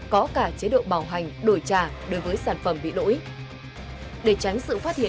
có cả chế độ bảo hành đổi trả đối với sản phẩm bị lỗi